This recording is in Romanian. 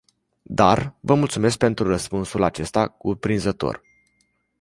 Dar, vă mulțumesc pentru răspunsul acesta cuprinzător.